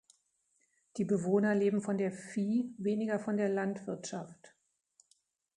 Die Bewohner leben von der Vieh-, weniger von der Landwirtschaft.